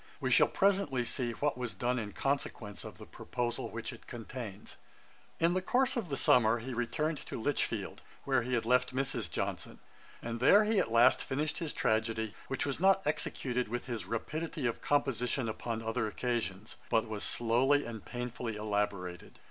We shall presently see what was done in consequence of the proposal which it contains. [Page 108: Irene. A.D. 1737.] In the course of the summer he returned to Lichfield, where he had left Mrs. Johnson, and there he at last finished his tragedy, which was not executed with his rapidity of composition upon other occasions, but was slowly and painfully elaborated.